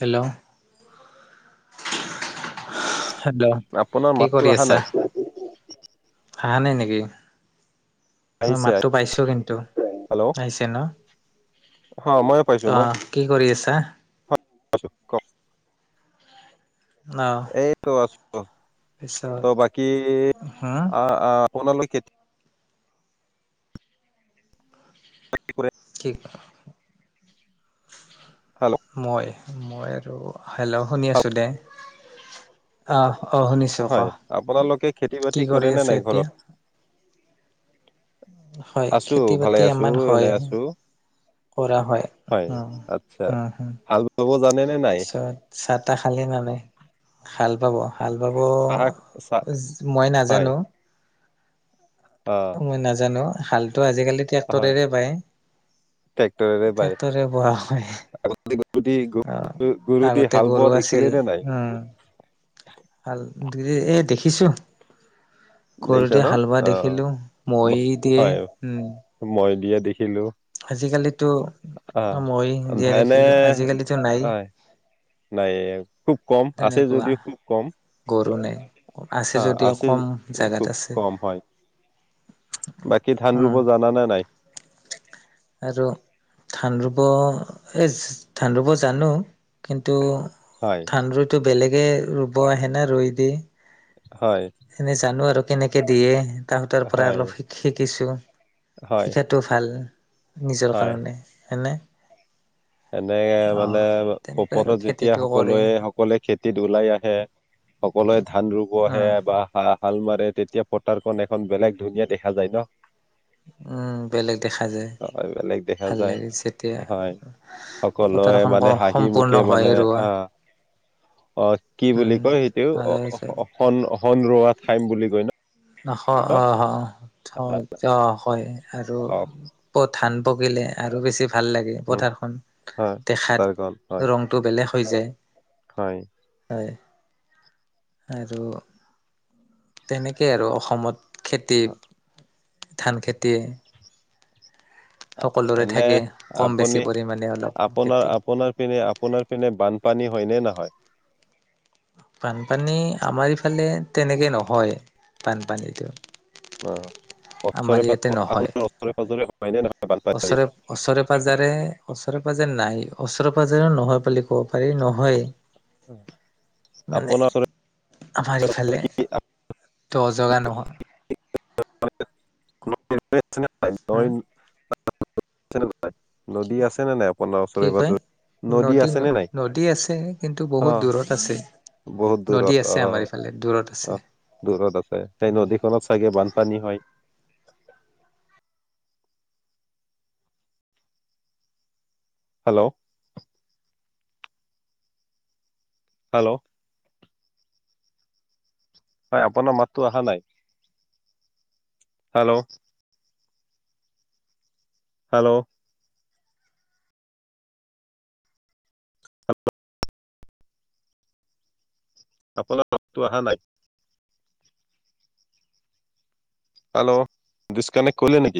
Hello hello, আপোনাৰ কি মাততো কৰি আহা আছা নাই হাহা নাই নেকি? মই আহিছে মাততো পাইছো কিন্তু হেল্ল' আহিছে ন? অ, ময়ো পাইছোঁ, অ মই কি কৰি আছা? কওক অ এইটো আছোঁ ত পিছত বাকী হম আ আ আপোনালোক কেতিয়া [inaudible] [inaudible] হেল্ল'অ মই, মই আৰু হেল্ল' শুনি আছোঁ দে। আহ, অ শুনিছোঁ ক, হয় আপোনালোকে খেতি বাতি কি কৰে কৰি নে নাই আছে এতিয়া? ঘৰত হয়, আছো ভালে খেতি-বাতি আছো আমাৰ হয়। এনে আছো কৰা হয়, অ, অ হাল বাব জানে নে নাই নিশ্চয়। চাহ তাহ খালি নে নাই, খাল বাব? হাল বাব চাহ চাহ মই হয় নাজানো। অ। মই নাজানো, হালতো আজিকালি হয় ট্ৰেক্টৰেৰে বায়, ট্ৰেক্টৰেৰে বাই ট্ৰেক্টৰে বোৱা হয়। [inaudible] অ, গৰু দি আগতে হাল বোৱা গৰু দেখিলে আছিল, নে নাই উম। হাল এ দেখিছোঁ। দেখিছা গৰুদি ন হাল বোৱা অ দেখিলোঁ মৰি দিয়ে। উম। মৈ দিয়া দেখিলোঁ। আজিকালিতো অ, মৈ দিয়া ধানে দেখিলোঁ। আজিকালিতো নায়েই। নাইয়ে। খুব কম, আছে তেনেকুৱা যদিও খুব কম। গৰু হা আছে। জেগাত খুব আছে। কম হয় বাকী ধান উম ৰুব জাননে নাই? আৰু ধান ৰুব এচ ধান ৰুব জানো। কিন্তু, হয় ধান ৰুইটো বেলেগে ৰুব আহে নে ৰুই দিয়ে। হয়। এনে জানো আৰু কেনেকে দিয়ে। তাহাঁতৰ পৰা হয় অলপ শিক শিকিছোঁ, হয় শিকাটো ভাল। নিজৰ হয় কাৰণে হয়নে। এনেকে অ মানে তেনেকুৱাই আৰু পপোবা যেতিয়া খেতিটো কৰে সকলোৱে হ'ব সকলোৱে খেতিত ওলাই আহে, সকলোৱে ধান ৰুব অ আহে বা হা হাল মাৰে, তেতিয়া পথাৰখন এখন বেলেগ ধুনীয়া দেখা যায় ন? উম বেলেগ দেখা যায় হয়, বেলেগ ভাল যায়। লাগে যেতিয়া হয়। সকলোৱে পথাৰখন মানে হাঁহি সম্পূৰ্ণ মুখে হয় মানে ৰোৱা আ অ, কি উম বুলি কয় সেইটো? ভালে হৈছে অখন ৰোৱা টাইম বুলি কয় ন? [unintelligible] অ, হয় আৰু অ আকৌ ধান পকিলে আৰু বেছি ভাল লাগে উম পথাৰখন হয় ভোটাৰ কাৰ্ড হয় দেখাত ৰং। টো বেলেগ হৈ যায়। হয়। হয়, আৰু তেনেকেই আৰু অসমত খেতি, ধান খেতি। সকলোৰে এনে থাকে কম বেছি আপুনি, পৰিমাণে অলপ আপোনাৰ খেতি আপোনাৰ পিনে আপোনাৰ পিনে বানপানী হয় নে নহয়? বানপানী আমাৰ ইফালে তেনেকে নহয়, বানপানীটো। অ, আমাৰ ওচৰে ইয়াতে পাঁজৰে, নহয় আপোনাৰ ওচৰে পাঁজৰে হয়নে নহয় বানপানী? ওচৰে-পাঁজৰে, ওচৰে-পাঁজৰে নাই। ওচৰে- পাঁজৰেও নহয় বুলি ক'ব পাৰি, নহয়েই। মানে? আপোনাৰ ওচৰে আমাৰ পাজৰে ইফালে কি ত অজগা নহয় নি [unintelligible] হম নদী আছেনে নাই আপোনাৰ কি ওচৰে কয় পাজৰে নদী ন আছেনে নাই নদী আছে কিন্তু অ বহুত দূৰত আছে বহুত নদী দূৰত অ আছে আমাৰ ইফালে দূৰত আছে অ দূৰত আছে সেই নদীখনত চাগে বানপানী হয় হেল্ল' হেল্ল' হয় আপোনাৰ মাতটো আহা নাই হেল্ল' হেল্ল' আপোনাৰ মাতটো আহা নাই হেল্ল ডিছকানেক্ট কৰিলে নেকি